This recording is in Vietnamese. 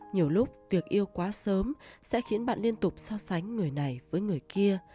nhiều lúc việc yêu quá sớm sẽ khiến bạn liên tục so sánh người này với người kia